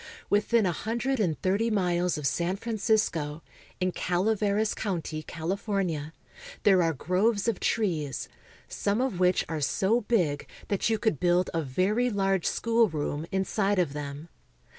Within a hundred and thirty miles of San Francisco, in Calaveras county, California, there are groves of trees some of which are so big that you could build a very large schoolroom inside of them.